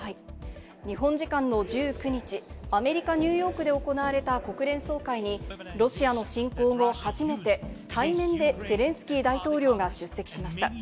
日本時間の１９日、アメリカ・ニューヨークで行われた国連総会に、ロシアの侵攻後、初めて対面でゼレンスキー大統領が出席しました。